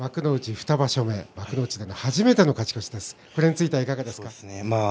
２場所目、幕内で初めての勝ち越しはいかがですか。